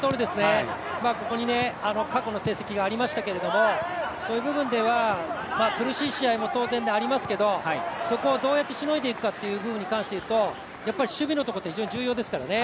ここに過去の成績がありましたがそういう部分では苦しい試合も当然ありますけどどうやってしのいでいくかというところに関していうと守備というのは非常に重要ですからね。